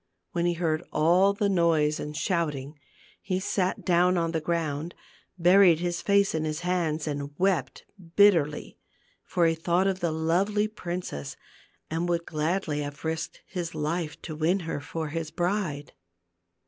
When he heard all the noise and shouting, he sat down on the ground, buried his face in his hands, and wept bitterly ; for he thought of the lovely princess and would gladly have risked his life to win her for his bride.